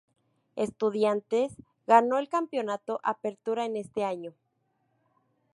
Estudiantes ganó el campeonato Apertura en ese año.